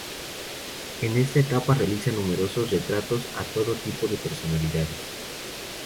En esta etapa realiza numerosos retratos a todo tipo de personalidades.